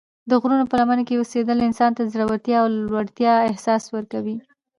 د غرونو په لمنو کې اوسېدل انسان ته د زړورتیا او لوړتیا احساس ورکوي.